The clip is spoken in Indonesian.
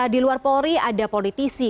di luar polri ada politisi